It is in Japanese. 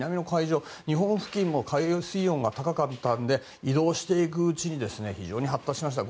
日本付近の海面水温が高かったので移動していくうちに非常に発達しました。